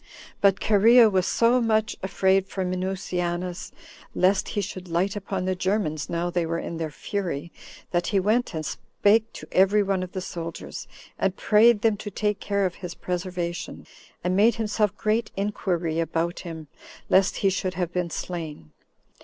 19. But Cherea was so much afraid for Minucianus, lest he should light upon the Germans now they were in their fury, that he went and spoke to every one of the soldiers, and prayed them to take care of his preservation, and made himself great inquiry about him, lest he should have been slain.